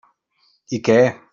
I què!